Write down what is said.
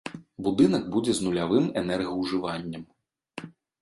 Будынак будзе з нулявым энергаўжываннем.